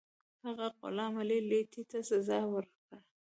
هغه غلام علي لیتي ته سزا ورکړه.